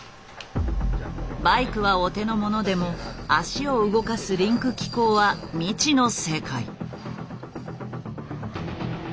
バイクはお手の物でも脚を動かすリンク機構は未知の世界。